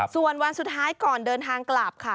ส่วนวันสุดท้ายก่อนเดินทางกลับค่ะ